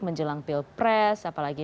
menjelang pilpres apalagi